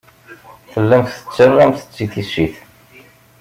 Tellamt tettarramt-tt i tissit.